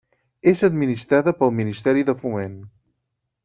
És administrada pel Ministeri de Foment.